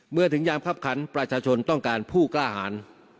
เมื่อถึงยามคับขันประชาชนต้องการผู้กล้าหาร